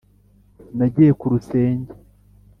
Nagiye ku rusenge